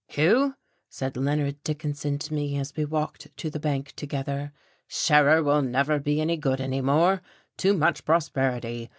"Hugh," said Leonard Dickinson to me as we walked to the bank together, "Scherer will never be any good any more. Too much prosperity.